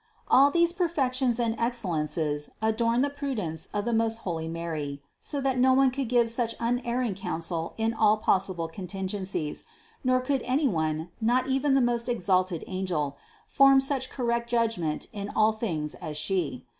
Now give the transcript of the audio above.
All these perfections and excellences adorned the prudence of most holy Mary, so that no one could give such unerring counsel in all pos sible contingencies, nor could any one, not even the most exalted angel, form such correct judgment in all things as She.